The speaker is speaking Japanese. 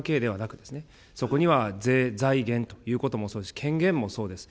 上下関係ではなくですね、そこには、税財源ということもそうですし、権限もそうです。